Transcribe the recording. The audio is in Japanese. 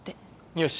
よし。